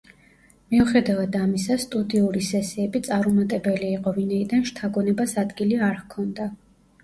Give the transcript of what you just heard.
მიუხედავად ამისა, სტუდიური სესიები წარუმატებელი იყო, ვინაიდან შთაგონებას ადგილი არ ჰქონდა.